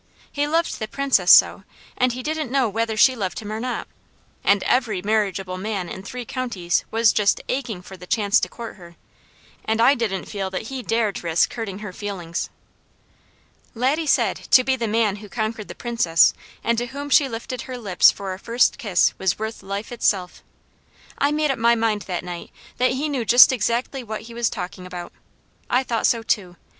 He loved the Princess so, and he didn't know whether she loved him or not; and every marriageable man in three counties was just aching for the chance to court her, and I didn't feel that he dared risk hurting her feelings. Laddie said, to be the man who conquered the Princess and to whom she lifted her lips for a first kiss was worth life itself. I made up my mind that night that he knew just exactly what he was talking about. I thought so too.